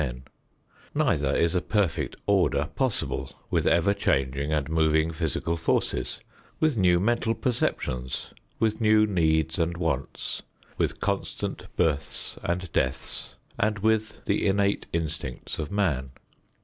Neither is a perfect order possible with ever changing and moving physical forces, with new mental conceptions, with new needs and wants, with constant births and deaths, and with the innate instincts of man.